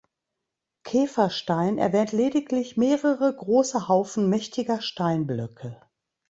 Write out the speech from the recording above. Keferstein erwähnt lediglich mehrere „grosse Haufen mächtiger Steinblöcke“.